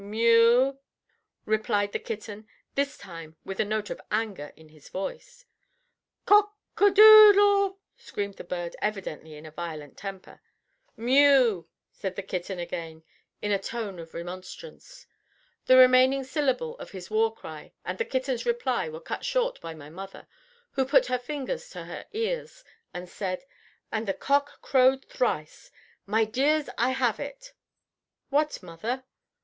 "Mew," replied the kitten, this time with a note of anger in his voice. "COCK A DOODLE," screamed the bird, evidently in a violent temper. "Mew," said the kitten again, in a tone of remonstrance. The remaining syllable of his war cry and the kitten's reply were cut short by my mother, who put her fingers to her ears, and said: "And the cock crowed thrice. My dears, I have it!" "What, mother?"